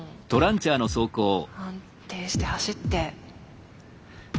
安定して走って。